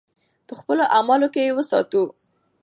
په خپلو اعمالو کې یې وساتو.